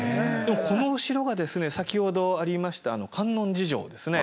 このお城がですね先ほどありました観音寺城ですね。